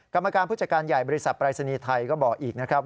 กรรมการผู้จัดการใหญ่บริษัทปรายศนีย์ไทยก็บอกอีกนะครับ